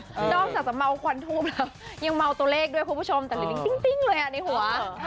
นอกจากจะเมาควันทูบแล้วยังเมาตัวเลขด้วยคุณผู้ชมแต่ลิงติ้งเลยอ่ะในหัว